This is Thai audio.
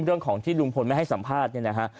เรื่องของที่ลุงพลไม่ให้สัมภาษณ์เนี่ยนะฮะ